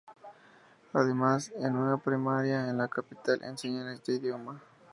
Además, en una primaria en la capital, enseñan este idioma.